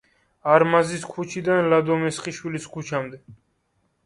არმაზის ქუჩიდან ლადო მესხიშვილის ქუჩამდე.